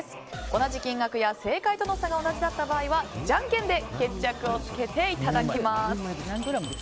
同じ金額や正解との差が同じだった場合はじゃんけんで決着をつけていただきます。